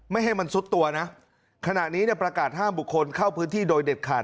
ให้มันซุดตัวนะขณะนี้เนี่ยประกาศห้ามบุคคลเข้าพื้นที่โดยเด็ดขาด